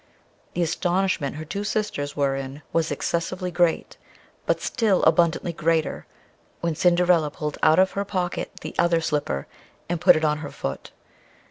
The astonishment her two sisters were in was excessively great, but still abundantly greater, when Cinderilla pulled out of her pocket the other slipper, and put it on her foot.